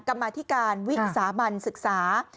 กรรมาธิการวิสามันศึกษา